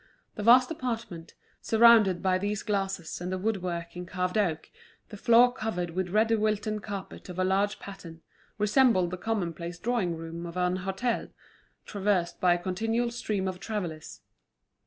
The vast apartment, surrounded by these glasses and the wood work in carved oak, the floor covered with red Wilton carpet of a large pattern, resembled the commonplace drawing room of an hôtel, traversed by a continual stream of travellers.